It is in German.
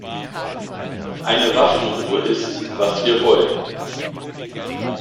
Eine Waffenruhe ist, was wir wollen!